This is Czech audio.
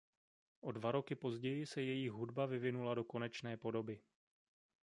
O dva roky později se jejich hudba vyvinula do konečné podoby.